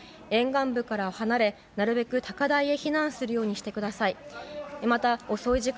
沿岸部から離れ、なるべく高台に避難するようにしてください。